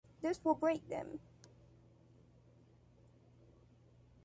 This will break them.